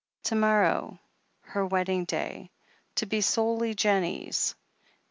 To morrow — ^her wedding day — ^to be solely Jennie's.